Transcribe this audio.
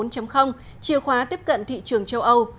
chìa khóa tiếp cận thị trường châu âu